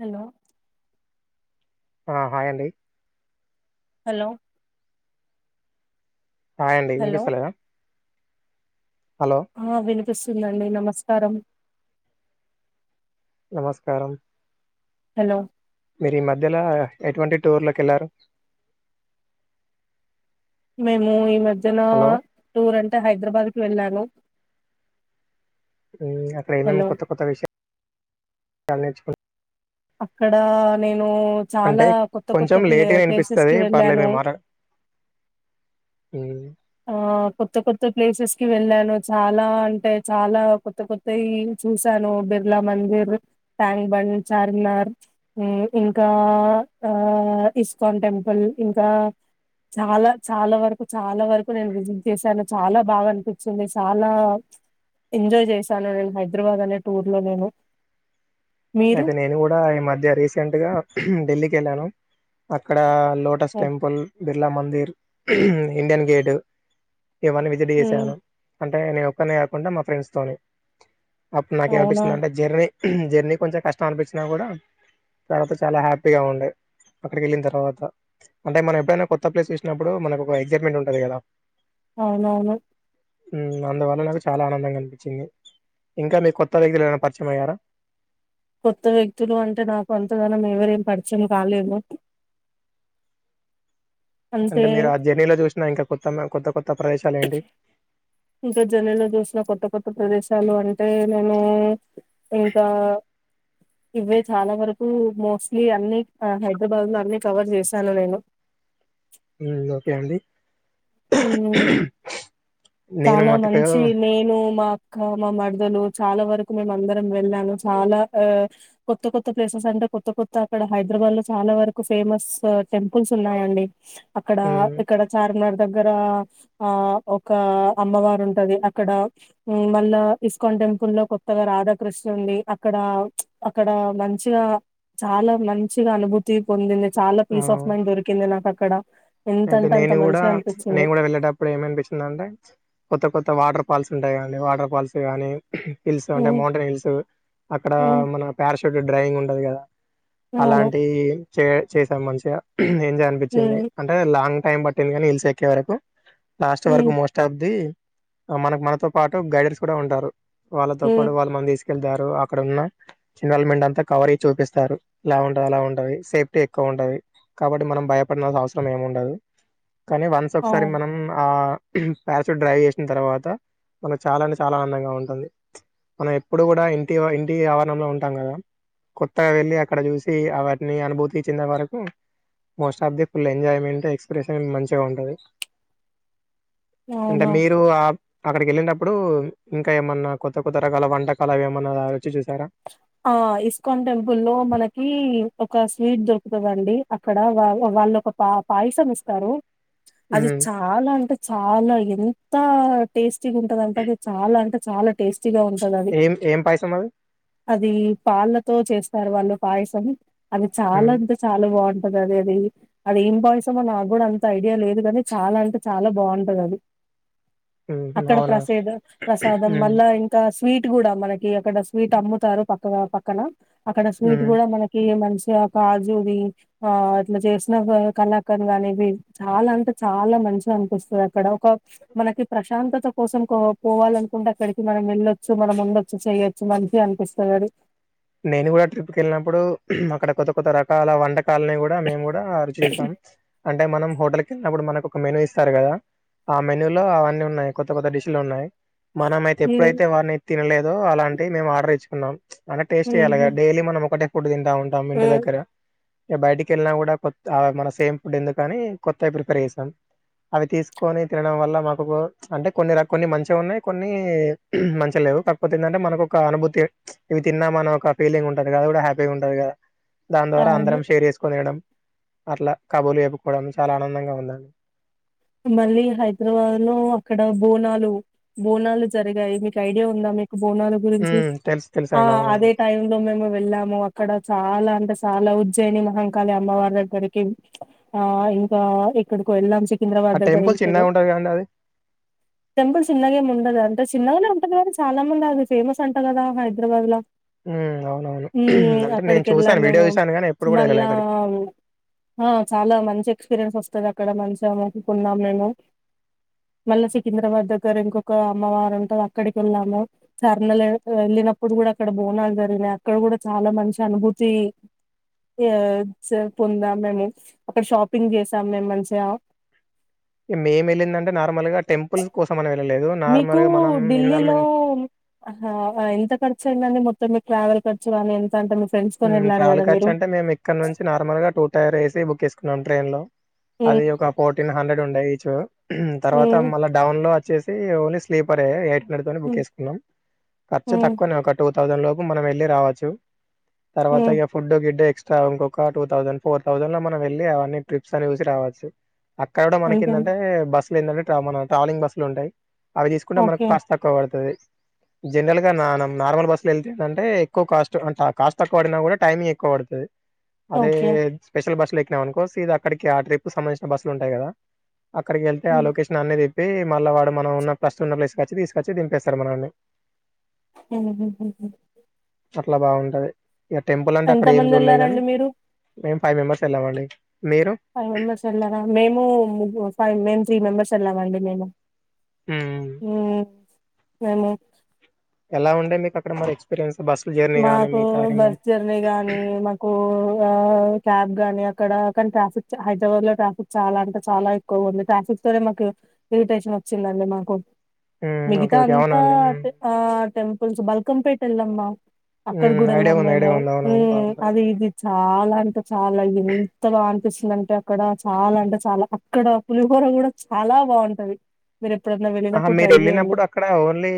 Hello ఆ hi అండి hello hi అండి హలో వినిపిస్తలేద ఆ వినిపి స్తుందండి నమస్కారం నమస్కారం హలో మీరు ఈ మధ్యలో ఎటువంటి టూర్లకి వెళ్లారు మేము ఈ మధ్ జన టూర్ అంటే హైదరాబాద్ వెళ్ళాను అక్కడ ఏమేం హలో కొత్త కొత్త విషయం చాలా నేర్చుకో అక్కడ నేను అంటే చాలా కొత్త కొత్త కొంచెం ప్లే లేట్గా ప్లేసెస్ కి వినిపిస్తుంది వెళ్ళాను పర్లేదే మాట్లాడు ఆ కొత్త కొత్త ప్లేసెస్ కి వెళ్ళాను చాలా అంటే చాలా కొత్త కొత్త చూసాను బిర్లా మందిర్ ట్యాంక్ బండ్ చార్మినార్ ఇంకా ఆ ఇస్కాన్ టెంపుల్ ఇంకా చాలా చాలా వరకు చాలా వరకు నేను విజిట్ చేశాను చాలా బాగా అనిపించింది చాలా ఎంజాయ్ చేశాను నేను హైదరాబాద్ అనే టూర్ లో నేను మీరు అయితే నేను కూడా ఈ మధ్య రీసెంట్ గా ఢిల్లీ కి కెళ్ళాను అక్కడ lotus temple Birla Mandir Indian gate ఇవన్ని విజిట్ హ్మ్. చేశాను అంటే నేను ఒక్కన్నే కాకుండా మా ఫ్రెండ్స్ తోని అప్పుడు అవునా నాకేమనిపిస్తుంది అంటే జర్నీ జన్ని కొంచెం కష్టం అనిపించినా కూడా తర్వాత, చాలా హ్యాపీగా ఉండే అక్కడికి వెళ్ళిన తర్వాత అంటే, మనం ఎప్పుడైనా కొత్త ప్లేస్ చూసినప్పుడు, మనకు ఒక ఎగ్సైట్మెంట్ ఉంటది కదా. అవునవును ఉం అందువల్ల నాకు చాలా ఆనందంగా అనిపించింది. ఇంకా మీ కొత్త దగ్గర పరిచయం అయ్యారా. కొత్త వ్యక్తులు అంటే నాకు అంతగానం ఎవరేం పరిచయం కాలేదు. అంటే మీరు ఆ జర్నీలో చూసిన ఇంకా కొత్త కొత్త కొత్త ప్రదేశ సాలేండి ఇంకా జన్నలో చూసిన కొత్త కొత్త ప్రదేశాలు అంటే నేను ఇంకా ఇవే చాలా వరకు మోస్ట్లీ అన్ని హైదరాబాద్ లో అన్ని కవర్ చేశాను నేను ఉం ఓకే అండి ఊ నేను చాలా మటుకు మంచి నేను మా మా మరదలు చాలా వరకు మేము అందరం వెళ్ళాను. చాలా ఆ కొత్త కొత్త ప్లేసెస్ అంటే కొత్త కొత్త అక్కడ హైదరాబాద్ లో, చాలా వరకు ఫేమస్ టెంపుల్స్ ఉన్నాయండి. అక్కడ హ్మ్. ఇక్కడ చార్మినార్ దగ్గర ఆ ఒక అమ్మవారు ఉంటది. అక్కడ మళ్ళా ఇస్కాన్ టెంపుల్ లో కొత్తగా రాధాకృష్ణ ఉంది. అక్కడ అక్కడ మంచిగా చాలా మంచిగా అనుభూతి పొందింది. చాలా పీస్ ఆఫ్ ఆహ్, మైండ్ దొరికింది నాకు క్కడ అయితే ఎంతంటే అంత నేను గూడా మంచిగా అనిపి నేను కూడా వెళ్ళేటప్పుడు ఏమనిపిస్తుంది అంటే కొత్త కొత్త వాట వాటర్ ఫాల్స్ ఉంటాయా అండి వాటర్ ఫాల్స్ కానీ హిల్స్ అంటే ఉమ్, మౌంటైన్ హిల్స్ అక్కడ ఉమ్, ఆ పారాస్ డ్రయింగ్ ఉండదు కదా అవును అలాంటి ఇ చే చేసాం మంచిగా ఏం చేలని అనిపిత్తుంది హ్మ్. లాంగ్ టైమ్ పట్టింది కానీ హిల్స్ ఎక్కే వరకు లాస్ట్ హ్మ్. వరకు మోస్ట్ ఆఫ్ ది మనకు మనతో పాటు గైడెర్స్ కూడా ఉంటారు వాళ్ళతో హ్మ్. పాటు మన తీసు వెళ్తారు అక్కడున్న చిలమెంట్ అంతా కవర్ అయి చూపిస్తారు. ఇలా ఉంటది. అలా ఉంటది. సేఫ్టీ ఎక్కువ ఉంటది. కాబట్టి మనం భయపడాల్సిన అవసరం సమయంముండదు. కానీ వన్స్ ఒకసారి అవును. మనం ఆ ప్యాస్ డ్రైవ్ చేసిన తర్వాత మనకు చాలా అంటే చాలా ఆనందంగా ఉంటుంది, మనం ఎప్పుడు కూడా ఇంటి ఇంటి ఆవరణంలో ఉంటాం కదా, కొత్తగా వెళ్ళి అక్కడ చూసి అటిని అనుభూతి ఇచ్చిన వరకు most of the full enjoyment expression మంచిగా ఉంటది. అంటే అవును. మీరు ఆ అక్కడికి వెళ్ళినప్పుడు, ఇంకా ఏమన్నా కొత్త కొత్త రకాల వంటకాలవి ఏమన్నా రుచి చూసారా? ఆ ఇస్కాన్ టెంపుల్ లో మనకి ఒక స్వీట్ దొరుకుతందండి. అక్కడ వా వాళ్ళు ఒక పా పాయసం ఇస్తారు. అది హ్మ్ చాలా అంటే చాలా ఎంత తా టేస్ట్ టిగా ఉంటదంట అది చాలా అంటే చాలా టేస్ట్ ఏం ఏం పైసా మది అది పాళ్ళతో చేస్తారు వాళ్ళు పాయసం. అది చాలా హ్మ్ అంటె చాలా బాగుం అది అది అది ఏం పాయిసమో నాకు కూడా అంత ఐడియా లేదు కాని, చాలా అంటే చాలా బాగుంటది అది. హ్మ్ అక్కడ అవునా ప్రసేదు ప్రసాదం హ్మ్ మళ్ళ ఇంకా స్వీట్ గుడ మనకి అక్కడ వీటి అమ్ముతారు పక్కవ పక్కన అక్కడ స్వీట్ హ్మ్ కుడా మనకి, మంచి కాజుది ఆ ఇట్లా చేసిన ఒక కలాకండ్ కానివి చాలా అంటే చాలా మంచిగా అనిపిస్తుంది అక్కడ. ఒక మనకి ప్రశాంతత కోసం కో పోవాలనుకుంటే అక్కడికి మనం వెళ్ళొచ్చు మనం ఉండొచ్చు చెయొచ్చు. మంచిగ అనిపిస్తదది. నేను కూడా ట్రిప్కి వెళ్ళినప్పుడు, అక్కడ కొత్త కొత్త రకాల వంట కాలని కూడా మేము కూడా చేసాం అంటే మనం హోటల్ కెళ్ళినప్పుడు మనకు ఒక మెన్యూ ఇస్తారు కదా, ఆ మెన్యూలో అవన్నీ ఉన్నాయి, కొత్త కొత్త డిషలు ఉన్నాయి. మనం అయితే ఎప్పుడైతే హ్మ్ వాని తినలేదో, అలాంటి మేము ఆర్డర్ ఇచ్చుకున్నాం. టేస్ట్యాల గద హుహు. డైలీ మనం ఒకటె కుడు తిన్ టా ఉంటాం ఇంటి హ్మ్. దగ్గర టె బయటికి వెళ్ళినా కూడా కొత్ అ మన సేమ్ ఫుడ్ ఎందుకని కొత్తవి ప్రిపేర్ చేస్తాం, అవి తీసుకొని తినడం వల్ల మాకు అంటే కొన్ని ర కొన్ని మంచిగా ఉన్నాయి, కొన్ని మంచి లేవు. కాకపోతే ఏంటంటే మనకు ఒక అనుభూతి. తిన్నామన ఒక ఫీలింగ్ ఉంటంది కదా, అది కూడా హ్యాపీగా ఉంటుంది కదా. దాని ద్వారా అవును అందరం షేర్ చేసుకునేయడం అట్లా కబులు చెప్పుకోవడం చాలా ఆనందంగా ఉందండి. మళ్ళీ హైదరాబాద్ లో అక్కడ బోనాలు, బోనాలు జరిగే మీకు ఐడియా ఉందా మీకు బోనాల గురించి, ఉమ్ తెలుసు తెలుసు ఆ అండి అవునండి అదే టైమ్ లో మేము వెళ్ళాము. అక్కడ చాలా ఇంకా చాలా ఉజ్జయిని మహంకాళి అమ్మవారిగ్గరికి ఆ ఇంకా ఎక్కడికకో ఎల్లం సికింద్రాబాద్ ఆ దగ్గర టెంపుల్ ఇంకేదో చిన్నగా ఉంటది కదండి అది టెంపుల్ చిన్నగా ఏం ఉండదు ఆ చిన్నగానే ఉంటది కాదా చాలా మంది అది ఫేమస్ అంట కదా హైదరాబాద్ లా ఉమ్ అవునవును హు అంటే నేను అక్కడికి వెళ్ళాం చూసాను వీడియో మేము చూసాను కానీ ఎప్పుడు కూడా వెళ్ళలే మళ్ళా అక్కడికి ఆ చాలా మంచి ఎక్స్పీరియన్స్ వస్తుంది అక్కడ మంచా కున్నాం మేము మళ్ళా సికింద్రాబాద్ దగ్గర ఇంకొక అమ్మవారు ఉంటది అక్కడికి వెళ్ళాము సర్నలు వెళ్ళినప్పుడు కూడా అక్కడ బోనాలు జరిగినాయి అక్కడ కూడా చాలా మంచి అనుభూతి చా పొందాం మేము అక్కడ షాపింగ్ చేసాం మేము మంచిగా మేము వెళిందంటే నార్మల్ గా టెంపుల్స్ కోసం అనే మీకు ఢిల్లీలో ఎంత ఖర్చు అయిందండి మొత్తం మీకు ట్రావెల్ ఖర్చు కానీ ఎంత అంటే మీ ఫ్రెండ్స్ తోని వెళ్లారు ట్రావెల్ కదా ఖర్చ మీరు అంటే మేము ఇక్కడ నుంచి నార్మల్ గా టూ టైర్ ఏసి బుక్ చేసుకుం కున్నాం ట్రైన్లో హ్మ్ అది ఒక ఫోర్టీన్ హండ్రెడ్ ఉండె చా తర్వాత హ్మ్ మళ్ళా డవును లో వచ్చేసి ఓన్లీ స్లీపర్ ఎట్ నిన్నటి తోటి బుక్ హ్మ్ చేసుకున్నాం ఖర్చ హ్మ్ తక్కువనే ఒక టు థౌసండ్ లోపు మనం వెళ్ళి రావచ్చు తర్వాత హ్మ్ ఇగా ఫుడ్ గిడ్డు ఎక్స ఇంకొక టూ థౌసండ్ ఫోర్ థౌసండ్ లో మనం వెళ్ళి అవన్నీ ట్రిప్స్ అన్ని చూసి రావచ్చు అక్కడ కూడా మనకు అంతేనా ఏందంటే బస్సు అదేంటంటే మన ట్రావెలింగ్ బస్సులు ఉంటాయి అవి తీసుకుంటే మనకు ఓకే కాస్ట్ తక్కువ పడుతది జనరల్ గా నా నార్మల్ బస్సులు వెళ్తే ఏంది అంటే ఎక్కువ కాస్ట్ అంత కాస్ట్ తక్కువ పడినా కూడ టైంఎక్కువ పడుతుది అదే ఓకే స్పెషల్ బస్సు ల ఎక్కు అనుకో సిదా అక్కడికి ఆ ట్రిప్ కు సబంధించిన బస్సులు ఉంటాయి కదా అక్కడికి వెళ్తే ఆ హ్మ్ లోకేషన్ అనేది చెి మళ్ళ వాడు మనం ఉన్న ఫస్ట్ ఉన్న ప్లేస్ కి వచ్చి తీసుకొచ్చి దిపేస్తారు మనల్ని ఊ ఉహు అట్లా బాగుంటది ఇగా టెంపుల్ అంటే అక్కడ ఏం ఎంతమంది చూడలే గానీ వెళ్లారండి మీరు మేం ఫైవ్ మెంబర్స్ వెళ్ళామండి మీరు ఫైవ్ మెంబర్స్ వెళ్లారామేము ము ఫైవ్ మేము త్రి మెంబర్స్ వెళ్ళామండి మేము మ్మ్ హ్మ్ మెమో [unintelligible] ఎలా ఉండే మీకు అక్కడ మరి ఎక్స్పీరియన్స్ బస్సు జర్నీ గానీ మాకు మిగతా బస్ రిమైన్ జర్నీ గాని మాకు ఆ క్యాబ్ గాని అక్కడ కానీ ట్రాఫిక్ హైదరాబాద్ లో ట్రాఫిక్ చాలా అంటే చాలా ఎక్కువ ఉంది ట్రాఫిక్ తోనే మాకు ఇరిటేషన్ వచ్చిందండి. మాకు మ్మ్ ఓకే మిగతా ఓకే అవునా అంతా అండి మ్మ్ ఆ టెంప్ కొంచెం బల్క్పెట్ ఎల్లమ్మ అక్కడ మ్మ్ కూడా ఐడియా వెళ్ళాం ఉంది మేము ఐడియా ఉంది అవునవును బాగుంటది అది ఇదిచ్ చాలా [unintelligible] చాలా ఏంత బాగు అపిస్తుందంటే అక్కడ చాలా అంటే చాలా అక్కడ పులిహోర కూడా చాలా బాగుంటది. మీరు ఎప్పుడన్నా ఆ వెళ్ళినప్పుడు మీరు ట్రై చేయండి వెళ్ళినప్పుడు అక్కడ ఓన్లీ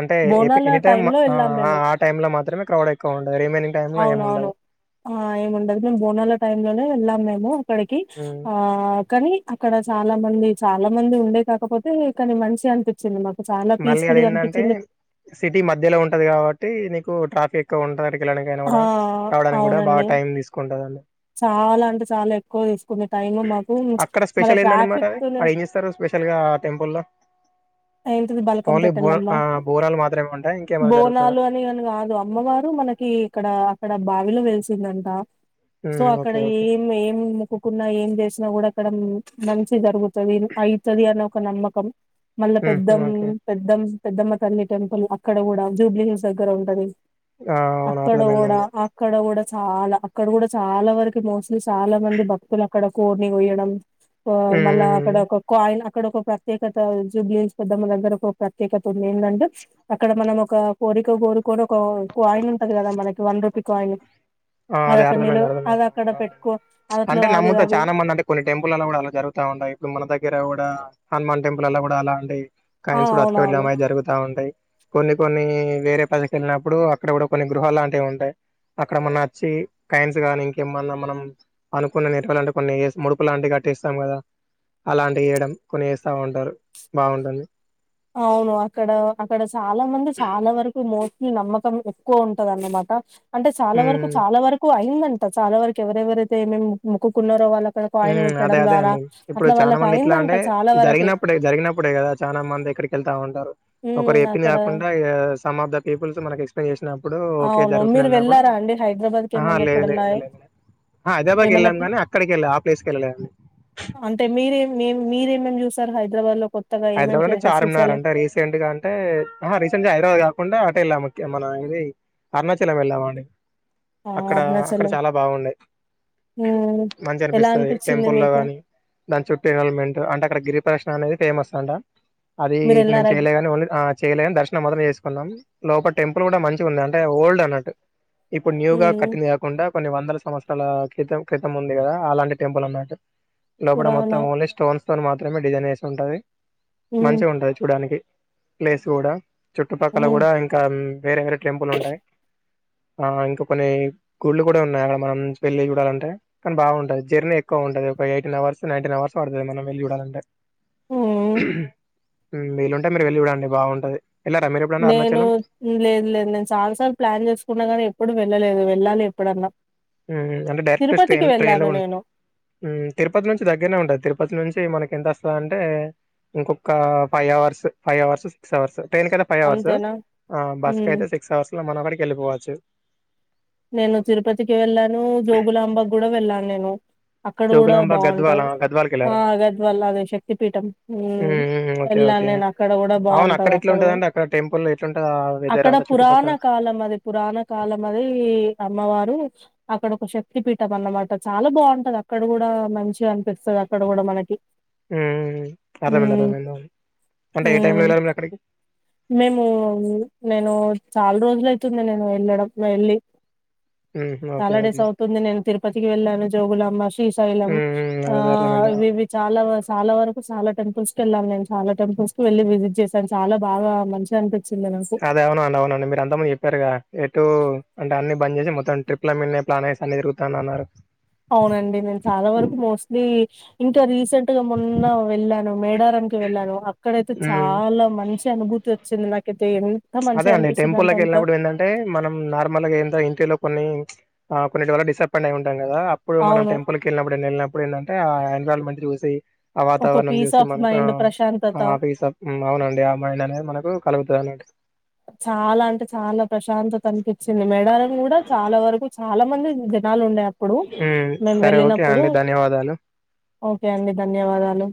అంటే బోనాల ఎనీ టైమ్ లో ఆ వెళ్ళాం మేము టైమ్ లో మాత్రమే క్రౌడ్ ఎక్కువ ఉంటది రిమైనింగ్ టైమ్ లో ఏమి అవునవును ఉండదు ఏముండదు మేమ బోనాల టై లోనే ఎల్లం మేము అక్కడకి మ్మ్ ఆ కానీ అక్కడ చాలా మంది చాలా మంది ఉండే కాకపోతే కానీ మంచిగా అనిపించింది. మాకు చాలా మళ్ళీ అది పీస్ఫుల్ గా ఏంటంటే అనిపించింది సిటీ మధ్యలో ఉంటది కాబట్టి నీక్ ట్రాఫిక్ ఏక్కువ ఉంటాదట వెళ్ళడానికికైనా ఆ కూడా రావడానికి కూడా బాగా అవునండి టైం తీసుకుంటందండి. చాలా అంటే చాలా ఎక్కువ తీసుకునే టైమ్ మాకు అక్కడ మళ్ళ స్పెషల్ ఏందండి మరి ట్రాఫిక్ అది తోనే అది ఏం చేస్తారు స్పెషల్ గా ఆ టెంపుల్ లో ఏంటిది బలకం ఓన్లీ బో పెటాఎల్లమ్మా ఆ బోనాలు మాత్రమే ఉంటాయి ఇంకేమైనా జరుగుతదా బోనాలు అని అని కాని కాదు అమ్మవారు మనకి ఇక్కడ అక్కడ బా వెల్ వెలసిదంటా సో మ్మ్ అక్కడ ఓకే ఓకే ఏం ఏం మొక్కుకున్నా ఏం చేసినా కూడా అక్కడ మంచి జరుగుతుంది. అయితది. అని ఒక నమ్మకం. మళ్ళా మ్మ్ పెద్దం ఓకే పెద్దం పెద్దమ కల్లి టెంపుల్ అక్కడ కూడా జూబ్లీ హిల్స్ దగ్గర ఉంటది. ఆ అవును అక్కడ ఓడ అర్థమైందండి అక్కడ కూడా చాలా అక్కడ కూడా చాలా వరకు మోస్ట్లీ చాలా మంది భక్తులు అక్కడ కోడ్ని కోయడం. మళ్ళా అక్కడ మ్మ్ ఒక కాయిన్ ఇక్కడ ఒక ప్రత్యేకత జుబ్లిన్స్ పెద్దామ్మ దగ్గర ఒక ప్రత్యేకత ఉంది. ఏందంటే అక్కడ మనం ఒక కోరిక కోరుకొని ఒక కాయిన్ ఉంటంది కదా మనకి వన్ రూపీ కాయిన్ ఆ అది అదే అక్కడ అర్థమైంది నిలవ అది అక్కడ అర్థమైంది పెట్టుకో అది అట్లా అంటే అది నమ్ముతా అది చాలా మంది అంటే కొన్ని టెంపుల్లా కూడా అలా జరుగుతా ఉంటాయి. ఇప్పుడు మన దగ్గర కూడా హనుమాన్ టెంపుల్ అలా కూడా అలా అంటియ్ ఆ కాయిన్స్ అవునవును పట్టుకుపోయి [unintelligible] జరుగుతా ఉంటాయి. కొన్ని కొన్ని వేరే పదిక వెళ్ళినప్పుడు అక్కడ కూడా కొన్ని గృహాలు లాంటివి ఉంటాయి అక్కడ మన్న కైన్స్ గానీ ఇంకేమన్నా మనం అనుకున్న నర్వలు అంటే కొన్ని ముడుపు లాంటివి కట్టటిేస్తాం కదా అలాంటివి వేయడం కొన్ని వేస్తా ఉంటారు బాగుంటుంది అవును అక్కడ అక్కడ చాలా మంది చాలా వరకు మో ఈ నమ్మకం ఎక్కువ ఉంటదన్నమాట అంటే చాలా వరకు హ్మ్ చాలా వరకు అయిందండి చాలా వరకు ఎవరెవరైతేమేమి మొక్కున్నారో వాళ్ళ అదే అదే అండి ఇప్పుడు చాలా వాళ్ళకి మంది ఇట్లా అయిందంట అంటే చాలా వరకి జరిగినప్పుడే జరిగినప్పుడే కదా చాలా మంది ఇక్కడికి వెళ్తాంటడి ఒకరు ఉమ్ ఎప్పిన అక్కడ కాకుండామ్ ఆఫ్ ద పీపుల్స్ మన ఎప్న్ చే ఓకే అవును మీరు జరుగుతున్నప్పుడు వెళ్ళారా అండి హైదరాబాద్ కి ఏమన్నా లేదు ఎప్పుడన్నా హైదరాబాద్ ఏమన్నా వెళ్ళాం ప్లే గానీ అక్కడికి వెళ్ళ ప్లేస్కి వెళ్ళలేదండి అంటే మీరే మే మీరేమ చూస్త ఇక్కడ హైదరాబాద్ లో కొత్తగా ఏమేం హైదరాబాద్ అంటే ప్లేసెస్ చార్మినార్ చూసారు అంటే రీసెంట్ గా అంటే రీసెంట్ గా హైదరాబాద్ కాకుడా ఎలా ముఖ్యమ నా ఇదది అరుణాచలం వెలా మనే ఆ అక్కడ అక్కడ అరుణాచలం చాలా బాగుండది ఉమ్ మంచి ఎలా అనిపిస్తుంది అనిపించింది టెంపుల్ లో మీకు కాగాని దాని చుట్టూ ఎన్వల్మెంట్ అంటే అక్కడ గిరి ప్రశన అనేది ఫేమస్ దాడా అది మీరు మేము ఎల్లారా చేయలేగాని ఓన్లీ చేయలేగాని దర్శనం మాొత్రం చేసుకున్నాం లోప టెంపుల్ కూడా మంచి ఉంది అంటే ఓల్డ్ అన్నట్టు ఇప్పుడు న్యూ గా ఉమ్ కట్టింది కాకుండా కొన్ని వందల సంవత్సరాల క్రితం క్రితం ఉంది కదా అలాంటి టెంపుల్ అన్నట్టు లోబడ పురాణ మొత్తం ఓన్లీ స్టోన్స్ తోని మాత్రమే డిజైన్ వేసి ఉంటుంది ఉమ్ మంచిగా ఉంటది చూడానికి లే్లేస్ కూడా చుట్టుపక్కల ఉమ్ కూడా ఇంకా వే టెంపులు ఉంటాయి ఆ ఇంకా కొన్ని గుళ్లు కూడా ఉన్నాయి అక్కడ మనం వెళ్లిి చూడాలంటే కానీ బాగుంటది జర్నీ ఎక్కువ ఉంటది ఒక ఎయిటీన్ అవర్స్ నైన్టీన్ అవర్స్ పడుతుంది మనం వెళ్ళి చూడాలంటే ఉమ్ వీళ్ళుంటే మీరు వెళ్లి చూడండి బాగుంటది ఎళ్ళారా మీరు ఎప్పుడైనా అరుణాచలం? నేను లేదు లేదు నేను చాలాసార్లు ప్లాన్ చేసుకున్నా కాగానీ ఎప్పుడు వెళ్ళలేదు ఎల్ాల ఎప్పుడన్నా ఉ అంటే డైరెక్ట్ తిరుపతికి స్టైన్ ట్రైన్ లో వెళ్ళాను ఉ నేను తిరుపతి నుంచి దగ్గరనే ఉంటది తిరుపతి నుంచి మనకి ఎంత వస్తుంద అంటే ఇంకొక five hours five hours six hours train కయితే ఫైవ్ అవర్స్ అంతేనా అ బస్ ఉమ్ కయితే సిక్స్ అవర్స్ లో మనం అక్కడికి వెళ్ళిపోవచ్చు నేను తిరుపతికి వెళ్ళాను జోగులాంబా కూడా వెళ్ళాను నేను అక్కడ కూడా జోగులాంబ గద్వాల బాగుంటది. గద్వాలకి ఆ వెళ్ళారా ఆగద్ వల్ల అది శక్తి పీఠం హ్మ్ హ్మ్ ఓకే వెళ్ళాను ఓకే నేను అక్కడ కూడా అవును బాగుంటది. ఎట్లా అక్కడ కూడ ఉంటదండి టెంపుల్ ఎట్లుంటది ఆ వెదర్ అక్కడ అంతా పురాణ చుట్టుపక్కల కాలం అది పురాణ కాలం అది. అమ్మవారు అక్కడ ఒక శక్తి పీఠం అన్నమాట చాలా బాగుంటది అక్కడ కూడా మంచిగ అనిపిస్తది అక్కడ కూడా మనకి. ఉ అర్థమైంది హ్మ్ అర్థమైంది అంటే ఏ టైమ్ లో హ్మ్ వెళ్ళారు మీరు అక్కడికి మేము నేను చాలా రోజులు అయితుంది నేను వెళ్ళడం వెళ్ళి హ్మ్ ఓకే హాలిడేస్ ఓకే అవుతుంది నేను తిరుపతికి వెళ్ళాను జోగులాంబా, శ్రీశైలం హ్మ్ హ్మ్. ఆ అదే అదే అర్థమైంది ఆ! అవి ఇవి చాలా చాలా వరకు చాలా టెంపుల్స్ కి వెళ్లాను నేను చాలా టెంపుల్స్ కి వెళ్ళి విజిట్ చేశాను చాలా బాగా మంచిగా అనిపి అదే అవునండి అవునండి మీరు అంతకుముందు చెప్పారుగా టూ అంటే అన్ని బంద్ చేసి మొత్తం ట్రిప్ అవునండి నేను చాలా వరకు మోస్ట్లీ ఇంకా రీస రీసెంట్ గా మొన్న వెళ్ళాను మేడారంకి వెళ్ళాను అక్కడైతే మ్మ్ చాలా మంచి అనుభూతి వ చికి [unintelligible] అదే అండి టెంపుల్ లోకి వెళ్ళినప్పుడు ఏంటంటే మనం నార్మల్ గా ఏంట ఇంటిలో కొన్ని ఆ కొన్నిటి వల్ల డిసప్పయింట్యయి ఉంటాం కదా కదా అప్పుడు మనం అవును. టెంపుల్కి వెళ్ళినప్పుడు వెళ్ళినప్పుడు ఏంటంటే ఆయ మంత్రి వసే [unintelligible] ఆ ఒక వాతావరణం పీస్ చూసి ఆఫ్ మనకు అ మైండ్ ప్రశాంతత. ఆఫీస్ అవునండి ఆ మేలు అనేది మనకు కలుగుతది అన్నట్టు చాలా అంటే చాలా ప్రశాంతత అనిపిచ్చింది. అ [unintelligible] జనాలు ఉండే అప్పుడు మ్మ్ మేము సరే ఓకే వెళ్ళినప్పుడు అండి ధన్యవాదాలు ఓకే అండి ధన్యవాదాలు